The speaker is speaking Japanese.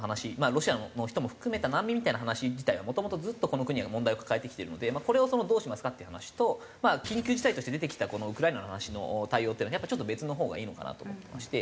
ロシアの人も含めた難民みたいな話自体はもともとずっとこの国は問題を抱えてきてるのでこれをどうしますか？っていう話と緊急事態として出てきたこのウクライナの話の対応っていうのはやっぱりちょっと別のほうがいいのかなと思ってまして。